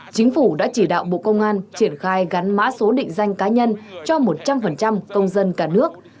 chính phủ đã chỉ đạo bộ công an triển khai gắn mã số định danh cá nhân cho một trăm linh công dân cả nước